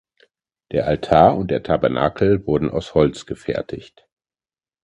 Der Altar und der Tabernakel wurden aus Holz gefertigt.